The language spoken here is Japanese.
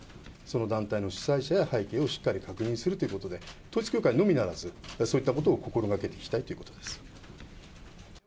その団体の主催者や背景をしっかり確認するということで、統一教会のみならず、そういったことを心がけていきたいということです。